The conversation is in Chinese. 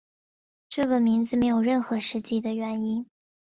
这个名字没有任何实际的原因。